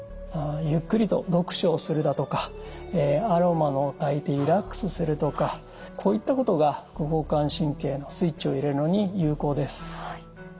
ゆっくりと読書をするだとかアロマをたいてリラックスするとかこういったことが副交感神経のスイッチを入れるのに有効です。